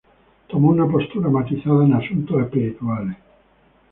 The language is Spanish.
Tomó una postura matizada en asuntos espirituales.